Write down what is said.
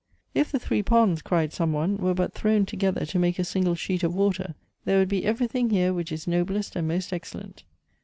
" If the three ponds," cried some one, " were but thrown together to make a single sheet of water, there would be everything here which is noblest and most excellent."